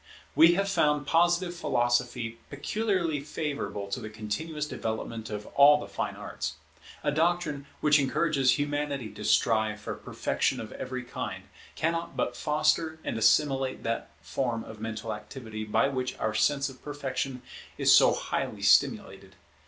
We have found Positive Philosophy peculiarly favourable to the continuous development of all the fine arts. A doctrine which encourages Humanity to strive for perfection of every kind, cannot but foster and assimilate that form of mental activity by which our sense of perfection is so highly stimulated.